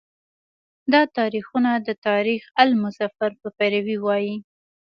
دا تاریخونه د تاریخ آل مظفر په پیروی وایي.